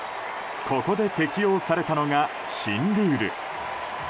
ここで適用されたのが新ルール。